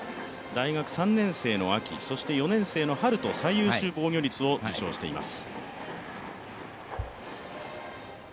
大学３年生の秋、４年生の春と最優秀防御率を記録しています。